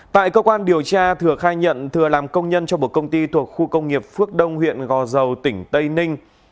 tại cơ quan điều tra thừa khai nhận thừa làm công nhân cho một công ty thuộc khu công nghiệp phước đông huyện gò dầu tỉnh tây ninh